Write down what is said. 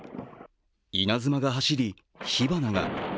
稲妻が走り、火花が。